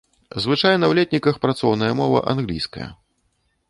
Звычайна ў летніках працоўная мова англійская.